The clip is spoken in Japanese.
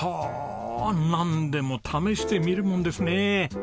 ほおなんでも試してみるもんですね。